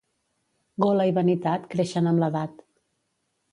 Gola i vanitat creixen amb l'edat.